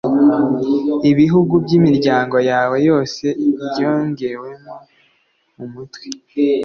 ibihugu by ‘imiryango yawe yose ryongewemo umutwe .